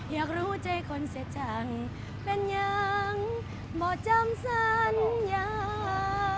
อยากรู้ใจคนเสียจังเป็นยังบ่จำสัญญา